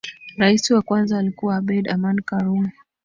Rais wa kwanza alikuwa Abeid Amani Karume